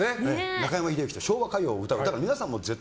中山秀征と昭和歌謡を歌う。